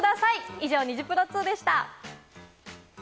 以上、ニジプロ２でした。